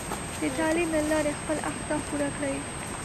د تعلیم له لارې خپل اهداف پوره کړئ.